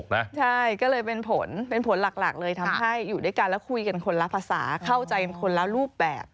ใช่ก็เลยเป็นผลเป็นผลหลักเลยทำให้อยู่ด้วยกันแล้วคุยกันคนละภาษาเข้าใจคนละรูปแบบ